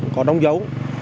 có đóng dấu